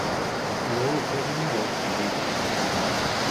No film was made.